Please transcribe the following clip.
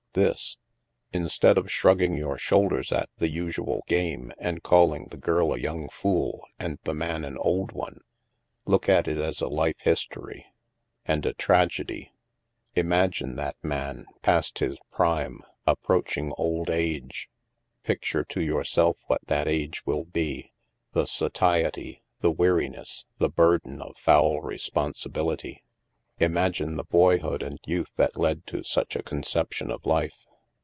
" This. Instead of shrugging your shoulders at ' the usual game * and calling the girl a young fool and the man an old one, look at it as a life history. And a tragedy. Imagine that man, past his prime, approaching old age. Picture to yourself what that age will be, the satiety, the weariness, the burden of foul responsibility. Imagine the boyhood and youth that led to such a conception of life.